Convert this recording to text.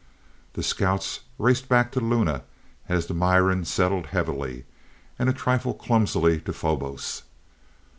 The scouts raced back to Luna as the Miran settled heavily, and a trifle clumsily to Phobos.